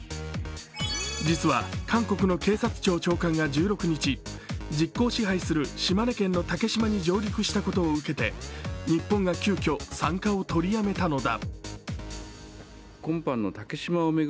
実は韓国の警察庁長官が１６日実効支配する島根県の竹島に上陸したことを受けて日本が急きょ、参加を取りやめたのだ。